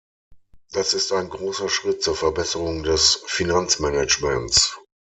Das ist ein großer Schritt zur Verbesserung des Finanzmanagements.